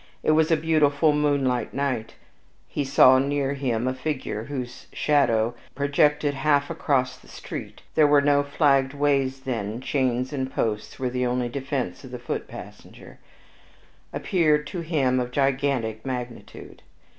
It was a beautiful moonlight night, and he saw near him a figure, whose shadow, projected half across the street (there were no flagged ways then, chains and posts were the only defense of the foot passenger), appeared to him of gigantic magnitude.